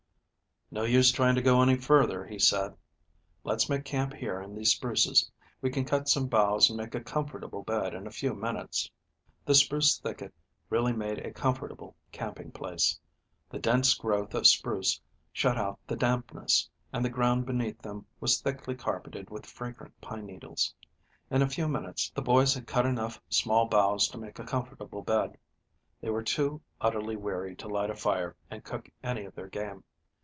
"No use trying to go any farther," he said. "Let's make camp here in these spruces. We can cut some boughs and make a comfortable bed in a few minutes." The spruce thicket really made a comfortable camping place. The dense growth of spruce shut out the dampness, and the ground beneath them was thickly carpeted with fragrant pine needles. In a few minutes the boys had cut enough small boughs to make a comfortable bed. They were too utterly weary to light a fire and cook any of their game.